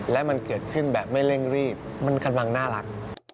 และมันเกิดขึ้นแบบไม่เร่งรีบมันกำลังน่ารัก